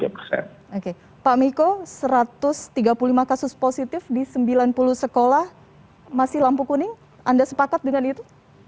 oke pak miko satu ratus tiga puluh lima kasus positif di sembilan puluh sekolah masih lampu kuning anda sepakat dengan itu